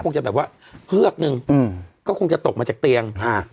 จะแบบว่าเฮือกนึงอืมก็คงจะตกมาจากเตียงฮะ